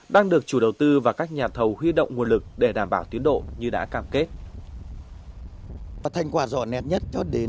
đang được chủ đầu tư và các nhà thầu huy động nguồn lực để đảm bảo tiến độ như đã cam kết